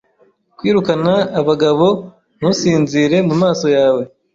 Kwirukana abagabo ntusinzire mumaso yawe